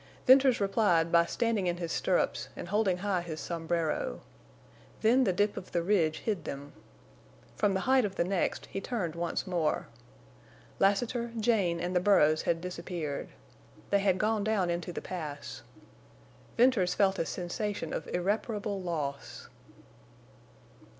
Venters replied by standing in his stirrups and holding high his sombrero. Then the dip of the ridge hid them. From the height of the next he turned once more. Lassiter, Jane, and the burros had disappeared. They had gone down into the Pass. Venters felt a sensation of irreparable loss.